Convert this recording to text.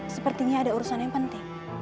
sepertinya ada urusan yang penting